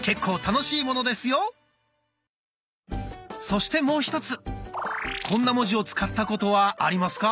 そしてもう１つこんな文字を使ったことはありますか？